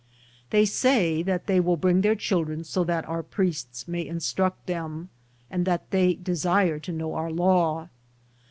They say that they will bring their children bo that our priests may in struct them, and that they desire to know our law.